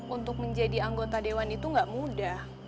untuk menjadi anggota dewan itu gak mudah